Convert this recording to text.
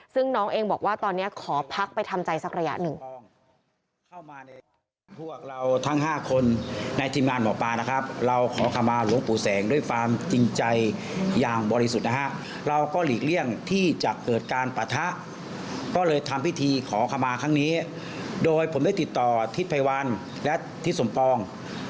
ซึ่งน้องเองบอกว่าตอนนี้ขอพักไปทำใจสักระยะหนึ่ง